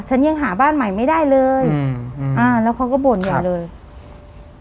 ฉันยังหาบ้านใหม่ไม่ได้เลยอืมอ่าแล้วเขาก็บ่นใหญ่เลย